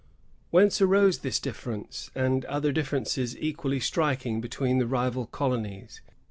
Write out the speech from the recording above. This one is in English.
Whence arose this difference, and other differences equally striking, between the rival colonies?